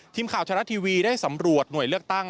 ทีมข่าวชะละทีวีได้สำรวจหน่วยเลือกตั้ง